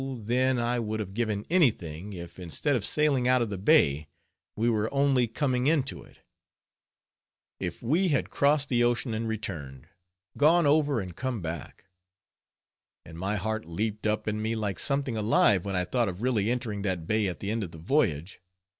then I would have given any thing if instead of sailing out of the bay, we were only coming into it; if we had crossed the ocean and returned, gone over and come back; and my heart leaped up in me like something alive when I thought of really entering that bay at the end of the voyage.